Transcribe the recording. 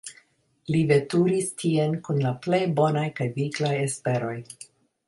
Li veturis tien kun la plej bonaj kaj viglaj esperoj.